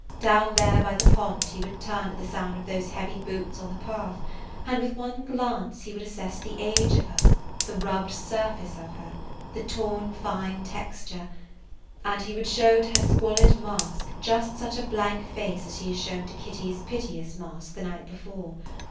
Down there by the pond he would turn at the sound of those heavy boots on the path, and with one glance he would assess the age of her, the rubbed surface of her, the torn fine texture, and he would show to her squalid mask just such a blank face as he had shown to Kitty's piteous mask the night before.